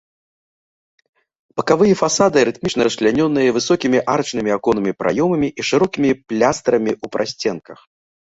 Бакавыя фасады рытмічна расчлянёны высокімі арачнымі аконнымі праёмамі і шырокімі пілястрамі ў прасценках.